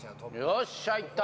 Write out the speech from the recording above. よっしゃいった！